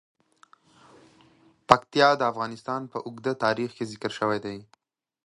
پکتیا د افغانستان په اوږده تاریخ کې ذکر شوی دی.